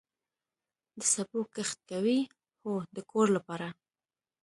د سبو کښت کوئ؟ هو، د کور لپاره